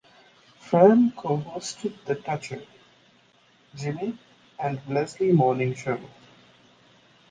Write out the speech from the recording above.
Fram co-hosted the "Toucher", Jimmy, and Leslie Morning Show".